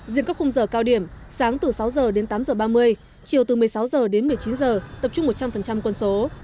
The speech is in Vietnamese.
diện các khung giờ cao điểm sáng từ sáu h đến tám h ba mươi chiều từ một mươi sáu h đến một mươi chín h tập trung một trăm linh quân số